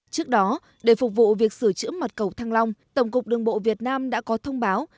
trước đó để phục vụ việc sửa chữa mặt cầu thăng long tổng cục đường bộ việt nam đã có thông báo